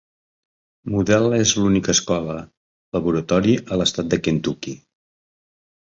Model és l'única escola laboratori a l'estat de Kentucky.